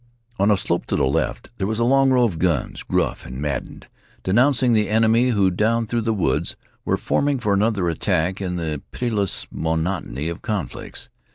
On a slope to the left there was a long row of guns, gruff and maddened, denouncing the enemy, who, down through the woods, were forming for another attack in the pitiless monotony of conflicts.